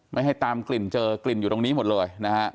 ไม่ให้ตามกลิ่นเจอกลิ่นอยู่ตรงนี้หมดเลยนะฮะ